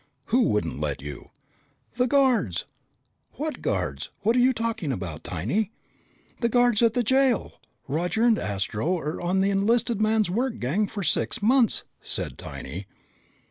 "Who wouldn't let you?" "The guards." "What guards? What are you talking about, Tiny?" "The guards at the jail! Roger and Astro are on the enlisted man's work gang for six months!" said Tiny.